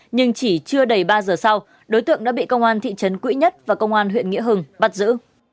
nhưng chỉ chưa đầy ba giờ sau đối tượng đã bị công an thị trấn quỹ nhất và công an huyện nghĩa hưng bắt giữ